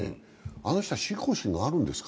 あの人は信仰心があるんですか？